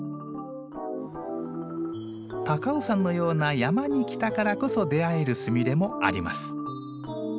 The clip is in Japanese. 高尾山のような山に来たからこそ出会えるスミレもあります。